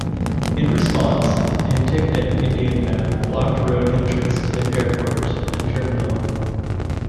In response, the Penticton Indian Band blocked road entrance to the airport, and terminal.